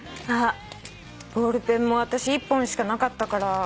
ボールペンも私１本しかなかったから。